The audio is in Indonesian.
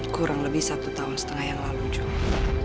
kurang lebih satu tahun setengah yang lalu juga